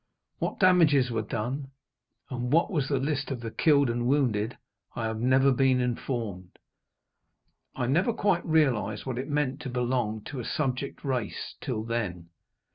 What damages were done, and what was the list of the killed and wounded, I have never been informed. I never quite realized what it meant to belong to a subject race, till then.